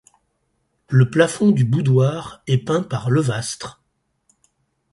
Le plafond du boudoir est peint par Levastre.